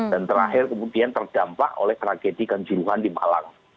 dan terakhir kemudian terdampak oleh tragedi kanjuruhan di malang